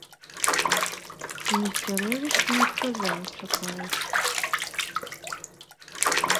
Несцяровіч не адказаў, чакаючы.